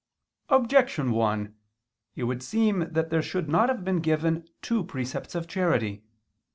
Objection 1: It would seem that there should not have been given two precepts of charity.